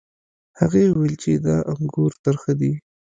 هغې وویل چې دا انګور ترخه دي.